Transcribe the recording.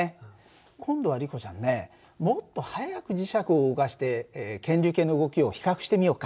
今度はリコちゃんねもっと速く磁石を動かして検流計の動きを比較してみようか。